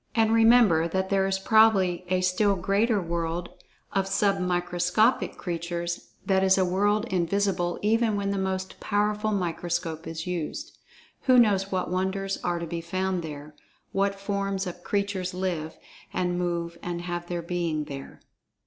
And, remember, that there is probably a still greater world of "sub microscopic" creatures, that is a world invisible even when the most powerful microscope is used. Who knows what wonders are to be found there—what forms of creatures live, and move and have their being there.